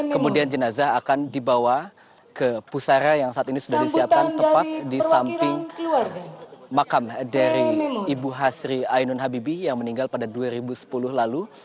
kemudian jenazah akan dibawa ke pusara yang saat ini sudah disiapkan tepat di samping makam dari ibu hasri ainun habibi yang meninggal pada dua ribu sepuluh lalu